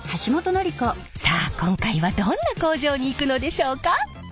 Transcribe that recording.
さあ今回はどんな工場に行くのでしょうか？